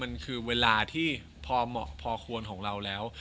มันคือเวลาที่พอเหมาะพอควรของเราแล้ว